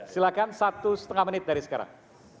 silahkan satu setengah menit dari sekarang